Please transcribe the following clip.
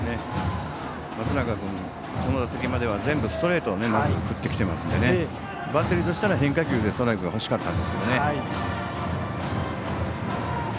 松永君、この打席までは全部ストレートを振ってきていますのでバッテリーとしたら変化球でストライクが欲しかったですね。